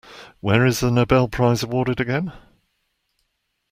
Where is the Nobel Prize awarded again?